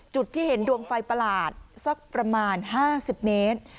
จุดที่เห็นดวงไฟประหลาดสักประมาณ๕๐เมตร